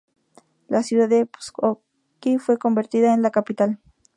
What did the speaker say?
La ciudad de Pskov fue convertida en la capital.